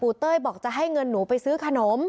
เต้ยบอกจะให้เงินหนูไปซื้อขนม